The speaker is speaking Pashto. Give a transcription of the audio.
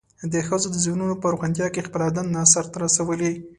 د ښځو د ذهنونو په روښانتیا کې خپله دنده سرته رسولې.